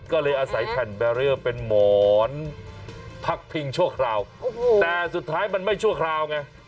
ก็เลยอาศัยแผ่นแบเรียเป็นหมอนพักพิงชั่วคราวแต่สุดท้ายมันไม่ชั่วคราวไง